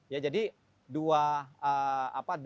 ya jadi dua